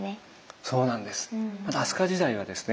そうなんです。